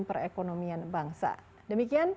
perekonomian bangsa demikian